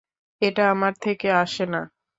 এটা আমার থেকে আসে না।